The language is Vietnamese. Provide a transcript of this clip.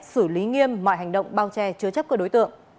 xử lý nghiêm mọi hành động bao che chứa chấp của đối tượng